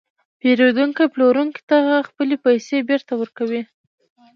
پېرودونکی پلورونکي ته خپلې پیسې بېرته ورکوي